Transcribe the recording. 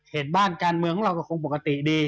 เหตุบ้านการเมืองของเราก็คงปกติดี